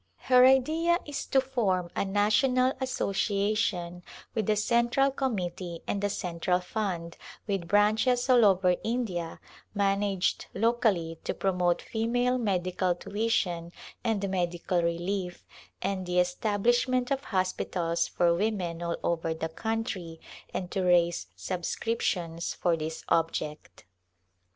Her idea is to " form a National Association with a Central Com mittee and a Central Fund, with branches all over India managed locally to promote female medical ['78] Call to Rajpiitana tuition and medical relief, and the establishment of hospitals for women all over the country, and to raise subscriptions for this object.'